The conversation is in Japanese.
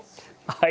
はい。